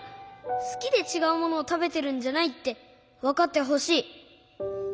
すきでちがうものをたべてるんじゃないってわかってほしい。